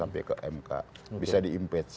sampai ke mk bisa diimpeach